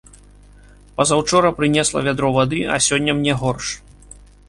Пазаўчора прынесла вядро вады, а сёння мне горш.